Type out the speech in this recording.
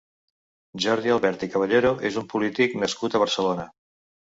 Jordi Albert i Caballero és un polític nascut a Barcelona.